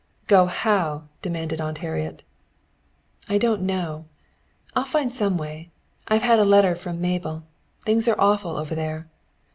"Go how?" demanded Aunt Harriet. "I don't know. I'll find some way. I've had a letter from Mabel. Things are awful over there."